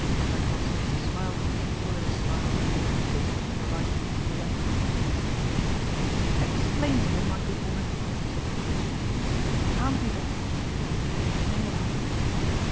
Hendrik Lossell smiled a painful little smile, and shifted from the right foot to the left. "Explain to him, my good woman," said the Notary, " that it can't be done." And Johanna explained.